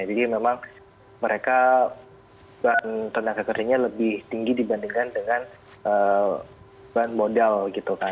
jadi memang mereka bahan tanda kekerjanya lebih tinggi dibandingkan dengan bahan modal gitu kan